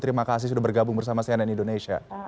terima kasih sudah bergabung bersama saya dan indonesia